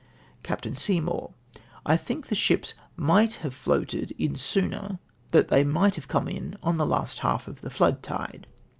Capt. Seymour. — "I think the ships migld have floated in sooner ; that they might have come in on the last half of the flood tide."